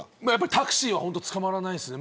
タクシーはつかまらないですね。